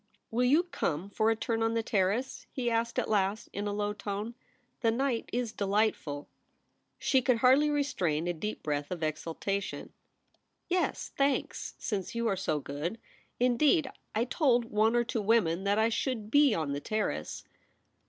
' Will you come for a turn on the Terrace ?' he asked at last, in a low tone. ' The night is delightful' She could hardly restrain a deep breath of exultation. ON THE TERRACE. 41 'Yes, thanks, since you are so good. In deed, I told one or two women that I should be on the Terrace.'